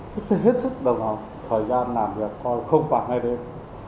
chúng tôi rất là hết sức đồng hồn thời gian làm việc không khoảng hai đêm